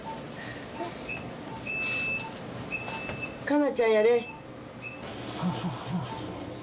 香菜ちゃんやで。